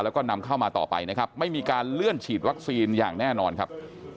แล้วก็นำเข้ามาต่อไปนะครับไม่มีการเลื่อนฉีดวัคซีนอย่างแน่นอนครับ